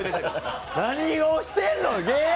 何をしてんの。